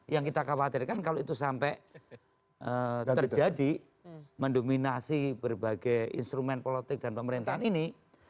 yang kita khawatirkan kalau itu sampai terjadi mendominasi berbagai instrumen politik dan pemerintahan ini